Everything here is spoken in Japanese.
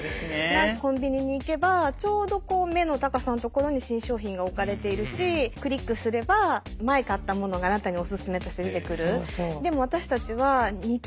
コンビニに行けばちょうど目の高さの所に新商品が置かれているしクリックすれば前買ったものがあなたにお薦めとして出てくる。